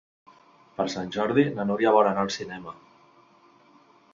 Per Sant Jordi na Núria vol anar al cinema.